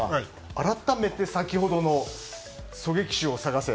改めて先ほどの狙撃手を探せ！